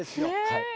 はい。